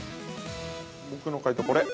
◆僕の解答は、これ。